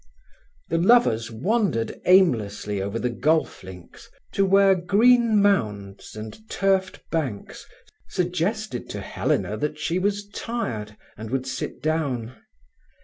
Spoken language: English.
The lovers wandered aimlessly over the golf links to where green mounds and turfed banks suggested to Helena that she was tired, and would sit down.